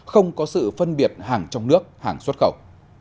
không có sự phân biệt hàng trong nước hàng xuất khẩu